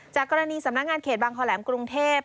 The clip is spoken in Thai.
กรณีสำนักงานเขตบางคอแหลมกรุงเทพ